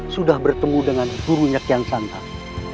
sudah bertemu dengan gurunya kian santan